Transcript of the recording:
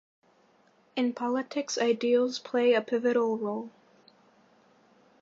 In politics ideals play a pivotal role.